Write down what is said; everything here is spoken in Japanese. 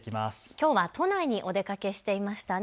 きょうは都内のお出かけしていましたね。